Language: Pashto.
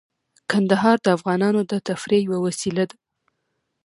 کندهار د افغانانو د تفریح یوه وسیله ده.